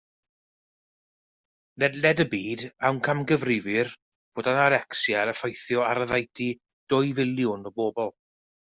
Ledled y byd amcangyfrifir fod anorecsia'n effeithio ar oddeutu dwy filiwn o bobl.